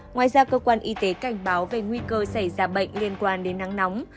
ngoài ra cơ quan y tế cảnh báo về nguy cơ xảy ra bệnh liên quan đến nắng nóng